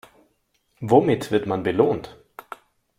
Womit wird man belohnt?